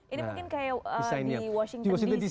ini mungkin kayak di washington dc